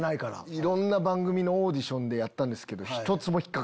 いろんな番組のオーディションでやったんですけど。